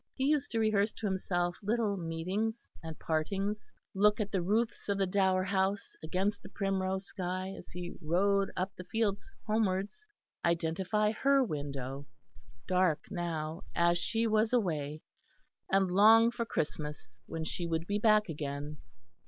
He used to rehearse to himself little meetings and partings; look at the roofs of the Dower House against the primrose sky as he rode up the fields homewards; identify her window, dark now as she was away; and long for Christmas when she would be back again.